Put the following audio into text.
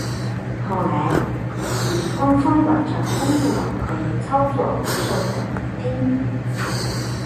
后来于官方网站公布了可以操作魔兽等补丁。